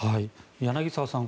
柳澤さん